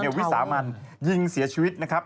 วิสามันยิงเสียชีวิตนะครับ